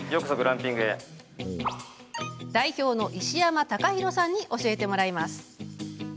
代表の石山高広さんに教えてもらいます。